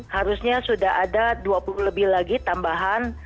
harusnya sudah ada dua puluh lebih lagi tambahan